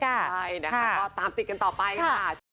ใช่นะคะก็ตามติดกันต่อไปค่ะ